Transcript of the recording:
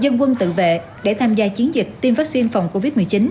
phương tự vệ để tham gia chiến dịch tiêm vaccine phòng covid một mươi chín